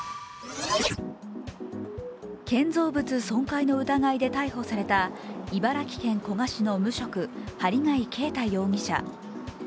建造物損壊の疑いで逮捕された茨城県古河市の無職針谷啓太容疑者。